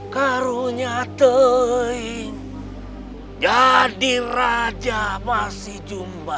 karunyatein jadi raja masih jumawa